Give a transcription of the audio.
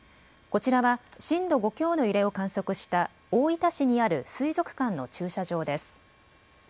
こちらは震度５強の揺れを観測した大分市にある水族館の駐車場です。